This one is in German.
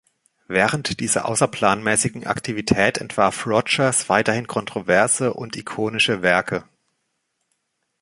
Während dieser außerplanmäßigen Aktivität entwarf Rogers weiterhin kontroverse und ikonische Werke.